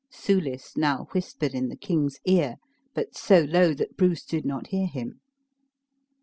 Soulis now whispered in the king's ear, but so low that Bruce did not hear him.